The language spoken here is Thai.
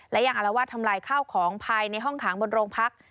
และยังอารวาสทำลายข้าวของภายในห้องขังบนโรงพัก